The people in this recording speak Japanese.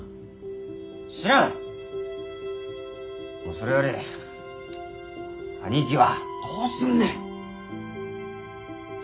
それより兄貴はどうすんねん！